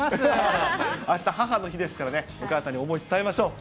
あした母の日ですからね、お母さんに思い、伝えましょう。